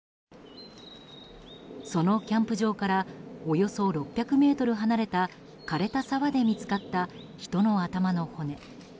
そのキャンプ場からおよそ６００ｍ離れた枯れた沢で見つかった人の頭の骨。